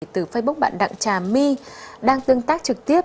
từ facebook bạn đặng trà my đang tương tác trực tiếp